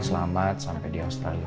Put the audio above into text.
selamat sampai di australia